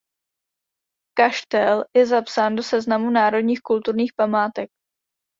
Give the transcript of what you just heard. Kaštel je zapsán do seznamu národních kulturních památek.